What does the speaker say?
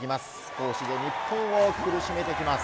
攻守で日本を苦しめてきます。